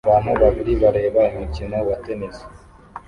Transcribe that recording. Abantu babiri bareba umukino wa tennis